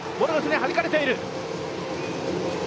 はじかれている。